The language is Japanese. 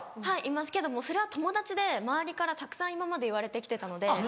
はいいますけどそれは友達で周りからたくさん今まで言われて来てたので。